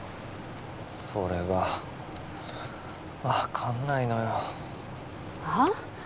それが分かんないのよはっ？